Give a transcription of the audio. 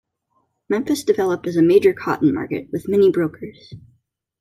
Memphis developed as a major cotton market, with many brokers.